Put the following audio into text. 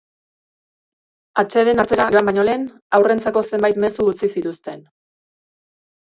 Atseden hartzera joan baino lehen, haurrentzako zenbait mezu utzi zituzten.